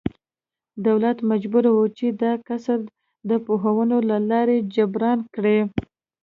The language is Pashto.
دولت مجبور و چې دا کسر د پورونو له لارې جبران کړي.